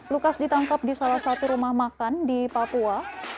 lukas ditangkap di salah satu rumah makan di papua